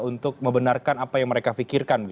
untuk membenarkan apa yang mereka pikirkan